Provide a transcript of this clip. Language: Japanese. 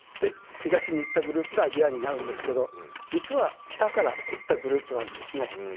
東に行ったグループがアジアになるんですけど実は北から行ったグループがあるんですね。